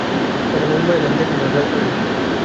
তাঁরা মুম্বাই এলেন, দেখলেন ও জয় করলেন।